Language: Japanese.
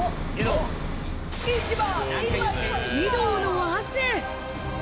義堂の汗。